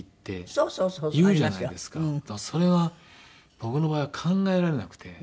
それは僕の場合は考えられなくて。